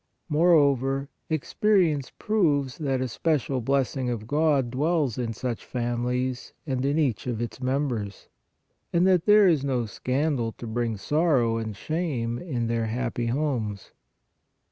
Moreover, experience proves that a special blessing of God dwells in such families and in each of its members, and that there is no scandal to bring sorrow and shame in their happy homes.